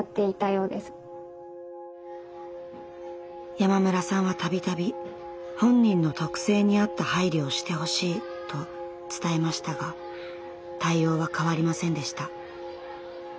山村さんは度々本人の特性に合った配慮をしてほしいと伝えましたが対応は変わりませんでした。